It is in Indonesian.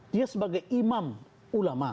dia sebagai imam ulama